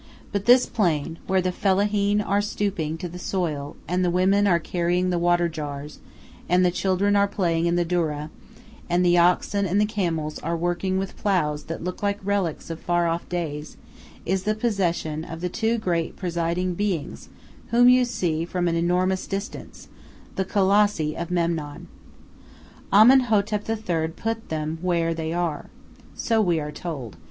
But this plain, where the fellaheen are stooping to the soil, and the women are carrying the water jars, and the children are playing in the doura, and the oxen and the camels are working with ploughs that look like relics of far off days, is the possession of the two great presiding beings whom you see from an enormous distance, the Colossi of Memnon. Amenhotep III. put them where they are. So we are told.